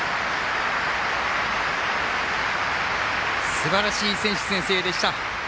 すばらしい選手宣誓でした。